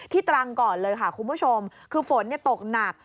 ตรังก่อนเลยค่ะคุณผู้ชมคือฝนตกหนัก